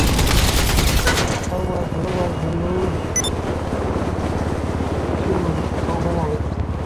Bonnell was moved to overnights.